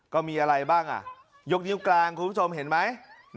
ก็มีอะไรบ้างยกนิ้วกลางคุณผู้ชมเห็นไหม